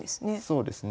そうですね。